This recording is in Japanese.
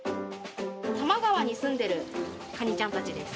多摩川に住んでいるカニちゃんたちです。